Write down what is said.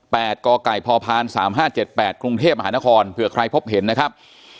ก่อไก่พพสามห้าเจ็ดแปดกรุงเทพมหานครเผื่อใครพบเห็นนะครับ